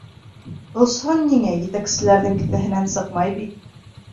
Осһон ниңә, етәкселәрҙең кеҫәһенән сыҡмай бит.